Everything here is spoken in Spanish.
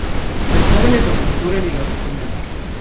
Los jóvenes lo torturan y lo asesinan.